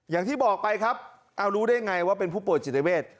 อย่างที่บอกไปครับเอารู้ได้ไงว่าเป็นผู้ป่วยจิตเวท